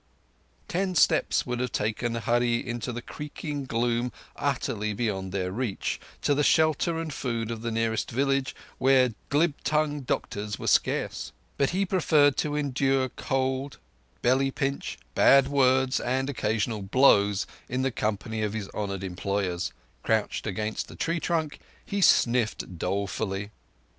Ten steps would have taken Hurree into the creaking gloom utterly beyond their reach—to the shelter and food of the nearest village, where glib tongued doctors were scarce. But he preferred to endure cold, belly pinch, bad words, and occasional blows in the company of his honoured employers. Crouched against a tree trunk, he sniffed dolefully.